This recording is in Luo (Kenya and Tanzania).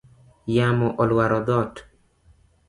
Yamo oluaro dhot